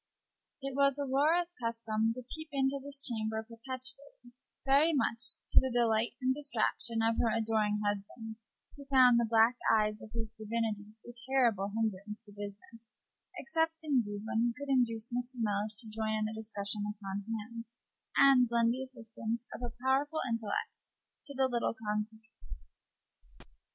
It was Aurora's custom to peep into this chamber perpetually, very much to the delight and distraction of her adoring husband, who found the black eyes of his divinity a terrible hinderance to business, except, indeed, when he could induce Mrs. Mellish to join in the discussion upon hand, and lend the assistance of her powerful intellect to the little conclave.